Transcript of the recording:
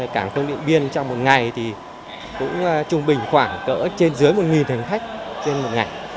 cảng không điện biên trong một ngày thì cũng trung bình khoảng cỡ trên dưới một hành khách trên một ngày